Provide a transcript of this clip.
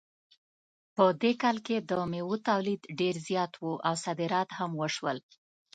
په دې کال کې د میوو تولید ډېر زیات و او صادرات هم وشول